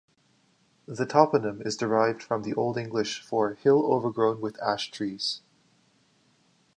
The toponym is derived from the Old English for "Hill overgrown with ash trees".